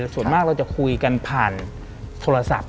ส่วนมากเราจะคุยกันผ่านโทรศัพท์